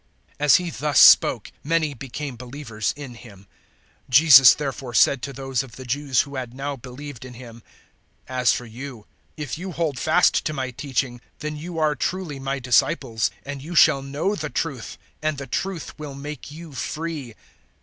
008:030 As He thus spoke, many became believers in Him. 008:031 Jesus therefore said to those of the Jews who had now believed in Him, "As for you, if you hold fast to my teaching, then you are truly my disciples; 008:032 and you shall know the Truth, and the Truth will make you free."